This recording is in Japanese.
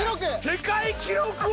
世界記録を。